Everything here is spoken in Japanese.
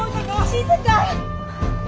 しずか！